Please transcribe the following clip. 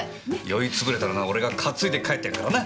酔いつぶれたらな俺が担いで帰ってやるからな。